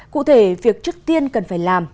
cụ thể việc trước tiên cần phải làm